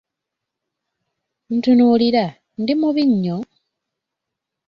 Ntunulira, ndi mubi nnyo?